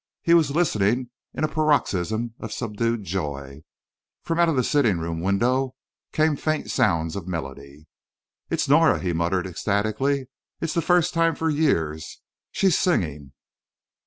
He was listening in a paroxysm of subdued joy. From out of the sitting room window came faint sounds of melody. "It's Nora," he murmured ecstatically. "It's the first time for years! She's singing!"